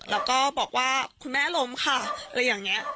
แล้วก็บอกว่าคุณแม่ล้มค่ะอะไรอย่างนี้